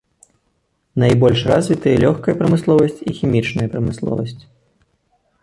Найбольш развітыя лёгкая прамысловасць і хімічная прамысловасць.